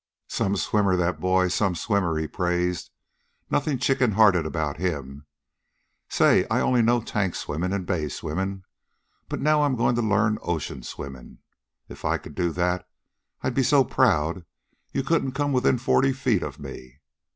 "Some swimmer, that boy, some swimmer," he praised. "Nothing chicken hearted about him. Say, I only know tank swimmin', an' bay swimmin', but now I'm goin' to learn ocean swimmin'. If I could do that I'd be so proud you couldn't come within forty feet of me.